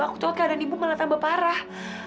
aku takut keadaan ibu malah tambah parah